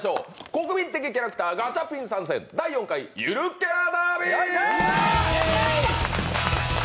国民的キャラクターガチャピン参戦、第４回ゆるキャラダービー。